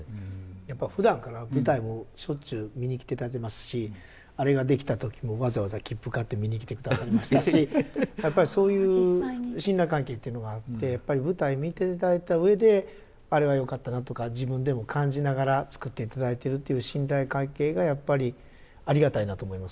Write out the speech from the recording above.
やっぱりふだんから舞台をしょっちゅう見に来ていただいてますしあれが出来た時もわざわざ切符買って見に来てくださいましたしやっぱりそういう信頼関係っていうのがあってやっぱり舞台見ていただいた上で「あれがよかったな」とか自分でも感じながら作っていただいてるっていう信頼関係がやっぱりありがたいなと思います